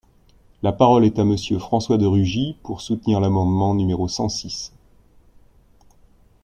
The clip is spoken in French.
La parole est à Monsieur François de Rugy, pour soutenir l’amendement numéro cent six.